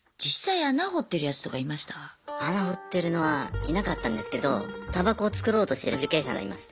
穴掘ってるのはいなかったんですけどたばこを作ろうとしてる受刑者がいました。